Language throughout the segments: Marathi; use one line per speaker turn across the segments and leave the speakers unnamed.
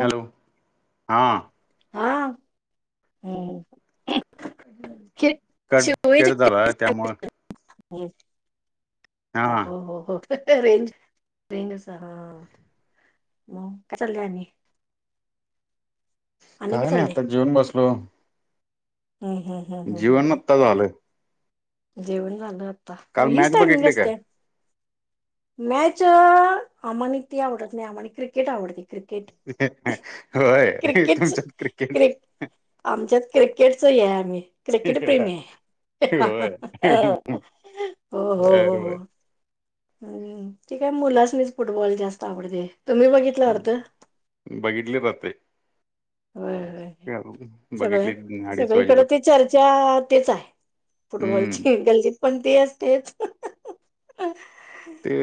हॅलो हा.
हा हम्म इन
कट कट झाला त्यामुळं
ऑडिबल [unintelligible]
हा
हो हो हो रेंज रेंजच हा मग काय चाललं आणि? आणि
काय नाही
चाललंय
आता जेवुन बसलो.
हम्म हम्म हम्म
जीवन आत्ता झालं.
जेवन झालं आता
काल
हीच
मॅच
टायमिंग
बघितली काय
असतंय. मॅच आमानी ती आवडत नाही आमानी क्रिकेट आवडतं. क्रिकेट
होय
क्रिकेटच
तुमच्यात क्रिकेट
क्रिक आमच्यात क्रिकेटच आहे आम्ही क्रिकेटपेमी हे
होय
अ हो हो हो
बर बर
हो हम्म तेकाय मुलासनीच फुटबॉल जास्त आवडते तुम्ही बघितलं वाटतं.
बघितले जात
होय होय
बघितली
सगळं
अडीच
सगळीकडे
वाजेपर्यंत
ते चर्चा तेच आहे
हम्म
फुटबॉलची गल्ली पण तेच तेच
ते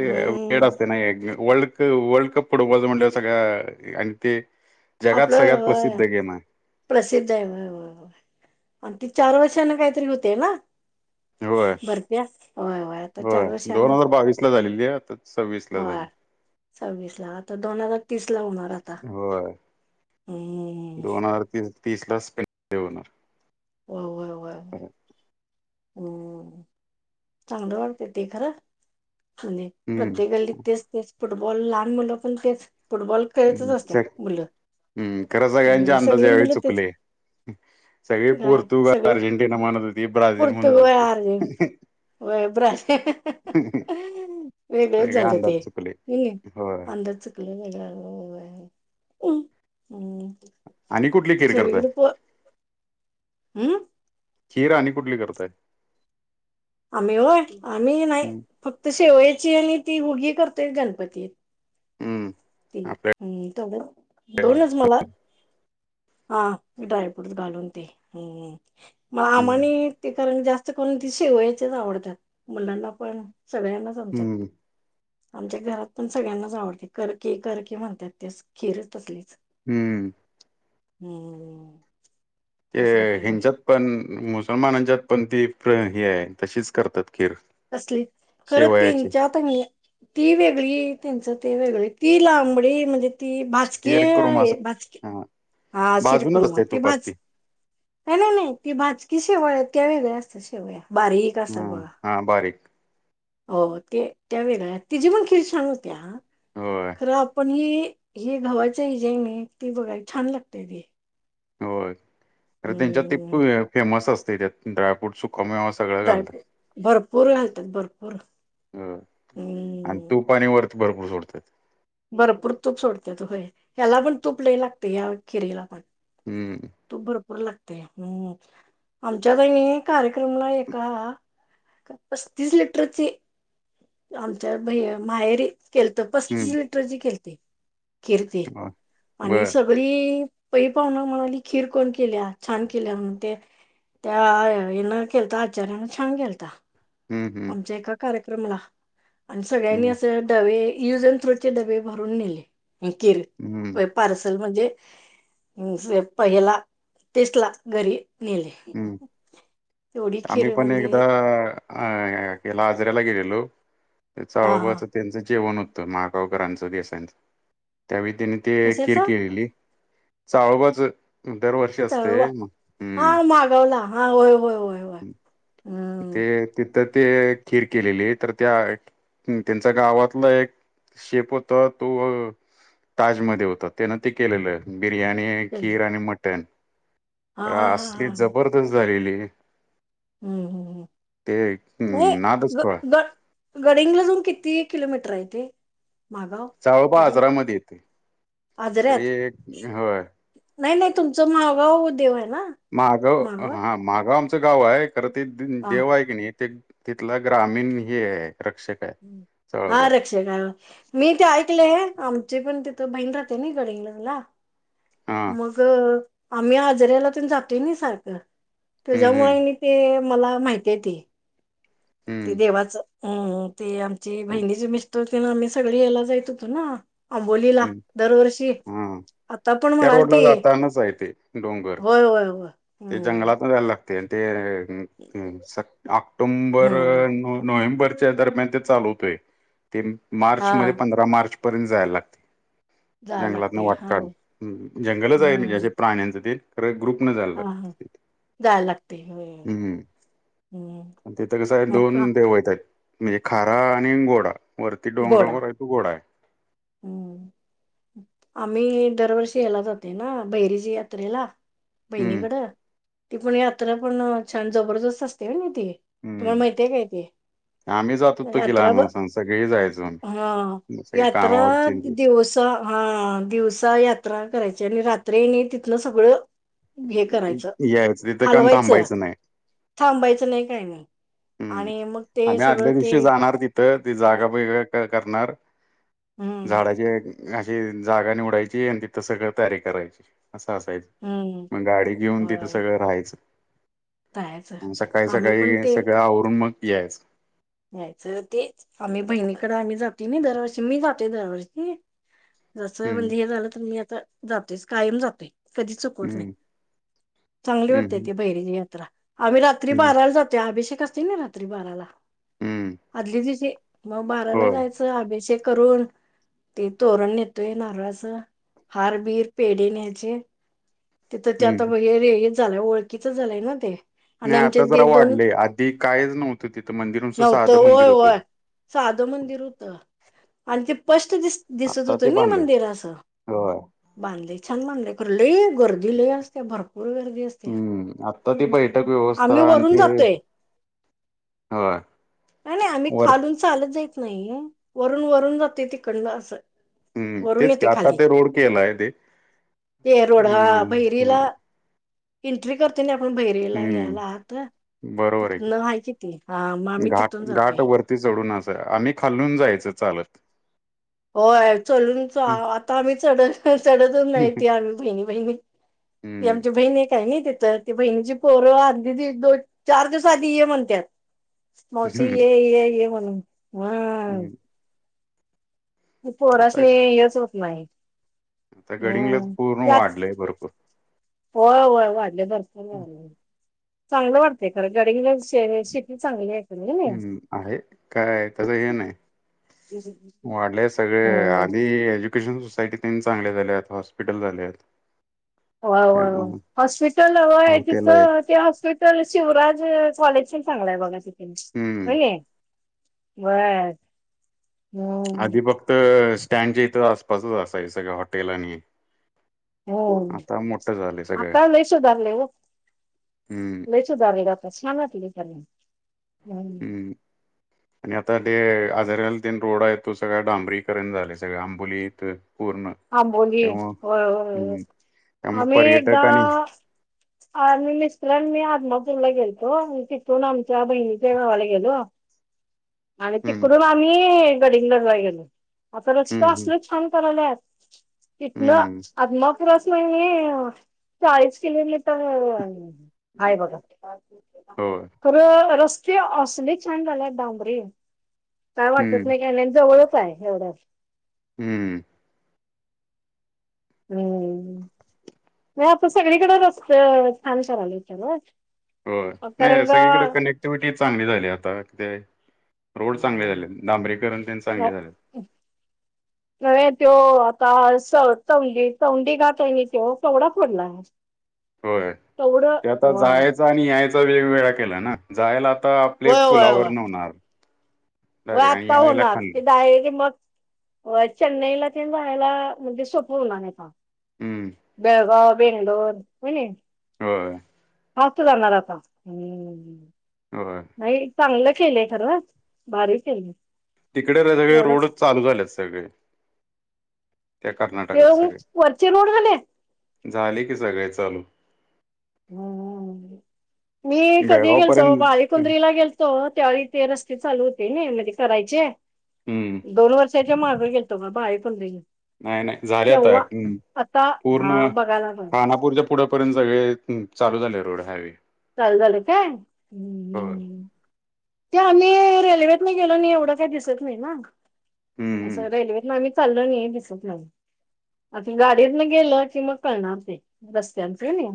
वेळ असते नाही वर्ल्ड कप फुटबॉलच म्हणलं सगळ्या आणि ते जगात
आपलं
सगळ्यात
होय
प्रसिद्ध गेम आहे.
प्रसिद्ध आहे आणि ती चार वर्षने काहीतरी होते ना?
होय
भरती होय होय आता चार
दोन
वर्षना
हजार बावीस ला झालेली आहे आता सव्वीस ला झाली
होय सव्वीस ला आता दोन हजार तीस ला होणार आता.
होय.
हम्म
दोन हजारी तीस तीसलाच स्पें होणार.
होय होय हम्म चांगलं वाटत ते खरं त
हम्म
प्रत्येका गली तेच तेच फुटबॉल लहान मुलं पण तेच फुटबॉल खेळतच असत्यात
हम्म
मुलं
हम्म खरां सगळ्यांच्या अंदाज
सगळी
यावेेळी
मुलं तेच
चुकले. सगळे
काय
पोर्तुगाल
सगळं
अर्जेंटिना म्हणतं होती ब्राझीलील म्हणतं होती.
होय बाझिल वेगळच
सगळे
झालं
अंदाज
ते
चुकले होय
अंदाज हम्म
आणि कुठली खीर करतय?
सगळीकडे प हम्म
खीर आणि कुठली करताय?
आम्ही होय आम्ही नाही
हम्म
फक्त शेवयाची आणि ती हुगी करतोय गणपतीत.
हम्म,
ते
आपल्या
हम्म तेवढं दोनच मला हा ड्रायफ्रूट घालून ते म
हम्म
आम्हाने ते कारण जास्त करून ते शेवाळ्याचेच आवडतात मुलांना पण सगळ्यांना आमच्यात
हम्म
आमच्या घरात पण सगळ्यांनाच आवडते कर कि कर कि म्हणतात ते खीरच असलेच
हम्म
हम्म
ते
दुसरं काही नाही
हिच्यात पण मुसलमानांच्यात पण ती ह आहे तशीच करतात खीर
कसली खरंच
शेवयाची
त्यांच्यात ती वेगळी त्यांचं ते वेगळे ती लांबडी म्हणजे ती भाजकीे
खीर कुर्मा
आहे भाजकीे
हा
हा
भाजूनच
शिरकुर्म
असते
ती
तुपात
भाज नाही नाही नाही ती भाजकी शेवया आहेत त्या वेगळ्या असतं शेवया बारीक असतात
हम्म
बघा
हा बारीक
हो ते त्या वेगळे तिजी पण खीर होत्या
होय
खरं आपण ही हे घव्हाचे ह जे आहे नाही ती बघाय छान लागतेय ती
हो अरे त्यांच्यात ते
हम्म
फेमस असते त्यात ड्रायफ्रूट सुखमे
ायप भरपूर घालतात भरपूर
होय.
हम्
आणि तू पा आणि वर ते भरपूर सोडतात
भरपूर तूप सोडते तो होय ह्याला पण तूप लय लागते या खिरीला पण
हम्म
तू बर लागते हम् आमच्या कार्यक्रमला एका पस्तीस लिटरची आमच्या माहेरी केलत
हम्म
पस्तीस लिटरची केलते किरती
होय.
आणि
बर
सग बरी पै पाहना म्हणाली खीर कोण केल्या छान केल्या म्हण ते त्या हन केलता आचार छान केलता
हम्म हम्म
आमच्या एका कार्यक्रमला आणि सगळ्यांनी
हम्म
असं डवे युज अड्रूट चे डबे भरून नेले कीर्त
हम्म
पार्सल म्हणजे पहिला तेसला घरी नाहीले
हम्म आम्ही पण एकदा अ केला आजऱ्याला गेलेलो
हा हा
त्याचाळूबाच त्यांचं जेवण होतं महागावकरांचं देसाांचं त्यावेळी त्यांनी ते
कशाचा
किरकली चाळबाच दरवर्षी असते
चळवा
मग ह्
हा मागवला हा होय होय होय होय हम्म
ते तिथं ते खीर केलेली तर त्या त्यांचा गावातलं एक शेप होता तो ताजमध्ये होता त्यान ते के बिर्याणी
चल.
खीर आणि मटण
हा हा हा
असली
हा हा.
ज झालेली
हम्म हम् हम्
ते
नाही
हम्म, नादच
ग
कळ
ग गडिंगलाजून किती किलोमीटर आहे ते मागाव
चाळोबा
तरी
आजरामध्ये येते तर
आजऱ्यात
हे होय
नाही नाही तुमचं मागावं होऊ देव आहे ना
महाग गाव
मागाव
हा मागाव गाव आमचं गाव आहे खरं ते
हा
देव आहे की नाही ते तिथलं ग्रामीण ह आहे रक्षक आहे
हा
चळवळ
रक्षा मी ते ऐकले आहे आमची पण तिथं बहीण राहते ना गडींग्लजला
हा
मग आम्ही आजऱला तर जातो नि सारखं
हम्म हम्म
त्याच्यामुळे ते मला माहिती येत ते
हम्म
देवाचं हम ते आमची
हम्म
बहिणी ज मिस्तर होते ना आम्ही सगळे यायला जायत ना अबोलीला
हम्म.
दरवर्षी
हा
आता पण
त्या
म्हणाल
रोड ला
ती
जातानाच आहे ते डोंगर
होय होय होय
ते
हम्म
जंगलात जायला लागत ते ऑक्टोंबर
हम्म
नोव्हेंबर दरम्यान ते चाल होतय ते मार्च
हा
म पंधरा मार्च पर्यंत जायला लागते
जायला
जंगलातन
लागते हा
वाटका
हो
जंगलच आहे म्हणजे
हम्म
असे प्राण्यांचं ते ख ग्रुप न झायला
हा
लाग
हा जायला लागते होय
हम्
हम्म
तिथं कसं आहे
मग
दोन
का
देव यत आहेत म्हणजे खारा आणि गोडा वरती
गोडा
डोंगरांगवर आहे तू गोड आहे
हम्म [unintelligible] आम्ही दरवर्षी यायला जाते ना बैरीची यात्रेला
हम्म
बहिणीकडं ती पण यात्रा पण छान जबरदस्त असते ना ती तुम्हाला
हम्म
माहितीय काय ते
आम्ही जातो तो की
यात्रा ब
लहान असताना सगळे जायच
हा यात्रा दिवस हा दिवसा यात्रा करायची आणि रात्री नाही तिथन सगळं हे करायचं
यायचं तिथं काम
हलवायचं
थांबायचं नाही
थांबायचं नाही काय नाही. आणि मग ते सगळं ते.
तर ते जागा वग करणार
हम्म
झाडाचे अशी जागा निवडायची आणि तिथं सगळं तयारी करायची असं असायचं.
हम्म
मग गाडी घेऊन तिथं
होय
सगळं
जायचं
राहायचं सकाळी
आम्ही
सकाळी
पण ते
सगळं आवरून मग यायच.
यायचं तेच आम्ही बहिणीकडे आम्ही जातोय नाय दरवर्षी मी जातोय दरवर्षी जस
हम्म
म्हणजे हे झालं तर मी आता जातोच कायम जातोयच. कधी चुकवत नाही
हम्म
चांगली वाटते
हम्म
त बहिरीनी यात्रा. आम्ही रात्री
हम्म
बाराला जातो अभिषेक असतोय ना रात्री बाराला.
हम्म
आदली दिवशी मग
हो
बाराला जायचं अभिषेक करून ते तोरण नेतोय नारळाचं हारबिर पेढ न्यायचे. तिथ ते आता
हम्म
हे रे हे चालू झालंय ओळखीच झालंय ना ते. आणि
नाही
आमच्या
आता जरा
ते दोन
वाढलेय आधी कायच नव्हतं तिथं मंदिरनुसत
नव्हतं
साधं मंदिर
होय
होतं.
होय साधं मंदिर होत आणि ते स्पष्ट दिसत. दिसत
आत्ता
होत
ते
ना
बांधले
मंदिर असं
होय
बांधले छान बांधले खर लय गर लय असते भरपूर गर्दी असते
हम्म आता ती बैठक व्यवस्था
आम्ही
आणि
वरून
ते
जातोय.
होय
नाही नाही आमही
वर
खालु चालत जात नाही वरून वरून जाते तिकडन असं.
हम्म
वरून
तेच
येते
आता
खाली
ते रोड केलाय ते
ते रोडा
हम् ह.
भैरीला एंट्री करते ना आपण बैरयला यायला
हम्म
आत
बरोबर आहे की
तिथन आहेय ते ह मग मी
घाट
तिथून
घाट
जातोय.
वरती चढून अस आम्ही खालून जायच चालत.
होय चलूनच आता आम्ही चढ चढतच
हम्म
नाहीती आम्ही बहिणी बहिणी. ही
हम्म
आमची बहीण एकय हाय नाय तिथ. बहिणीची पोरं अधी दो दोन चार दिवस आधी ये म्हणत्यात. मौशी ये ये ये म्हणून. हा
हम् आता
पोरसनी यच होत नाही.
आता गडिंगलच
हम्म
पूर्ण
त्यात
वाढलंय भरपूर.
होय होय वाढलय भरपूर वाढलाय. चांगलं वाटतय खरं गंडीगलज श शिटी चांगली आहे. खरं कणी
हम्म आहे काय आहे तसं हे नाही. वाडलय सगळे
होय
आधी श सोसायटी त्यान चांगल्य झाल्यात हॉस्पिटल झाल्यात.
वा वा हॉस्पिटल व्हय
हॉटेल आहेत
तिथं ते हॉस्पिट च शिवराज कॉलेज चांगलाय बघा
हम्म
व्हणे. व्हय.
आधी फक्त स्टँडच्या इथं आसपासच असाय सगळ हॉटेल आणि
हो
आता मोठं झाले सगळं
आता लय सुधारलय हो
हम्म
लय सुधारलय आत्ता छान वाटतय खर.
हम्म आणि आता ते आजरल तन रोड आहे तो सगळ डांबरीकरन झाले सगळ आंबोलीत. पूर्ण.
आंबोली
त्यामुळं
होय होय
हम्म
ह
त्यामुळं
आम्ही एकदा.
पर्यटक आणि
आ मी मिस्त्र आणि मी आत्मापूरला गेलतो तिथून आमच्या बहिणीच्या गावाला गेलो. [unintelligible] आणि
हम्म
तिकडून आम्ही गडींगलज ल गेलो आता रस्त
हम्म हम्म
असल छान करालत. इथन
हम्म
अदमापुरास न कने चाळीस किलो. [unintelligible] आहे बघा.
होय.
खरं रस्ते असले छान झाले डांबरीे काय वाटतच
हम्म
नाही की जवळच आहे एवढ्याच.
हम्म.
हम्म ते आता सगळीकडच रस्त छान करालय खरं.
होय नाही सगळीकड कनेक्ट क्टिव्हटी चांगली झाली आता ते रोड चांगले झालेत डांबरीकरण त्यांन चांगले झालेत.
अ व्हय त्यो आता स चवडी चवंडी घाट हाय की न्हाय त्यो केवडा फोडला. हम
होय ते आता जायच आणि यायचा वेगवेगळा केला ना जायला आता आपले
होय
पुलावर न होणार.
व
डायरेक्ट आणि
आत्ता
यायला
होणार
खाली
की डायरीक मग अ चेन्नईला तेन जायाला म्हणजे सोपं होणार हाय तवा.
हम्म
बेळगाव बेंगलोर होय नाय.
होय.
[unintelligible] जाणार आता हम्म.
होय.
होय चांगलं केलं आहे खरव भारी केेलय.
तिकडे सगळे रोडच चालू झालेत सगळे. त्या कर्नाटकात सगळे.
व्हयच वरचे रोड घले.
झाले की सगळे चालू.
ह मी कधी
बेळगाव
गेलतो
पर्यंत
बाई कुंद्रीला गेलतो तेव्हा त्यावेळी ते रस्ते चालू होते ना म्हणजे करायचे,
हम्म
दोन वर्षाच्या मागं गेलतो बा बाई पंरीला.
नाही नाही झाल्या आता ह
हा
पूर्ण
बघायला पण
रानात गपूरच्या पुढपर्यंत सगळे चालू झाले रोड हायवे.
चालू झाले काय
हो
हम्म. ते आणी रेल्वेन गेलो आणि एवढं काही दिसत नाही ना
हम्म हम्म.
असं रेल्वेतन आणिक चाललो णी दिसत नाही. आता गाडीत न गेल की मग कळणार ते रस्त्यांचे हणी.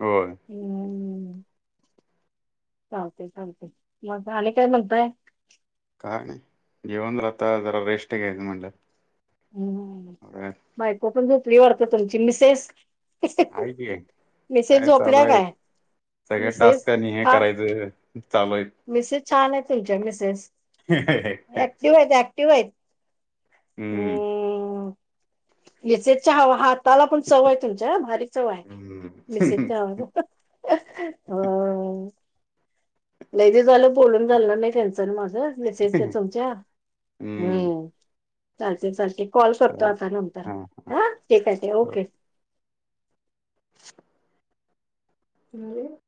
होय.
हम्म चालतय चालतय मग आणि काय म्हणतय.
काय नाय निवांत आता जरा रेस्ट घ्यायचं म्हणलं.
हम्
होय.
बायको पण झोपली वाढत तुमची मिसेस.
हाय की
मिसेस
काय चालू
झोपल्या
हाय
काय
सगळ्या
मिसेस
टास्क तेन हे
हा
करायचं. चालूयत.
मिसेस छान आहेत तुमच्या मिसेस ऍक्टिव्ह हायत ऍक्टिव्ह हायत.
हम्म
मेसेसच्या हवा हाताला पण चव हाय तुमच्या भारी चव हाय
हम्म
मिसेस च्या ह. ह लय दिस झालं बोलून झालणार नाही त्यांच अण माझ मिसेस च तुमच्या हम्म चालतय चालतय. कॉल करतो
चालेल
आता नंतर
हा
ह ठीक हाय ओके.
हे [unintelligible]